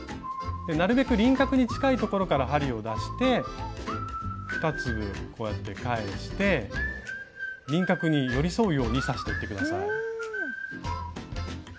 なるべく輪郭に近いところから針を出して２粒こうやって返して輪郭に寄り添うように刺していって下さい。